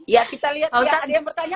ya kita lihat ya ada yang bertanya